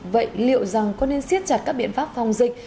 vậy liệu rằng có nên siết chặt các biện pháp phòng dịch